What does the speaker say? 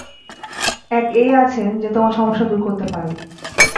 এক এই আছেন যে তোমার সমস্যা দূর করতে পারবে।